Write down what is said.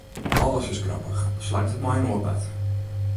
Alles is grappich, salang't it mei in oar bart.